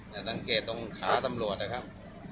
อยากดังเกตตรงขาตำรวจครับครับ